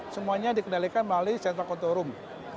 semuanya dikendalikan melalui centra kotorum